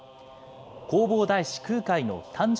弘法大師・空海の誕生